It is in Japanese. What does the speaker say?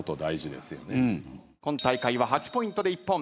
今大会は８ポイントで一本。